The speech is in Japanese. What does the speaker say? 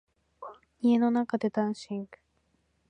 家の中でダンシング